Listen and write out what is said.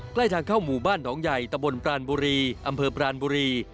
ใกล้ทางเข้าหมู่บ้านหนองใหญ่ตะบนปรานบุรีอำเภอปรานบุรี